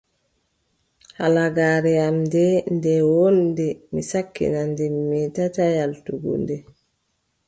Halagaare am ndee, nde wooɗnde, mi sakkina nde, mi meetataa yaaltugo nde.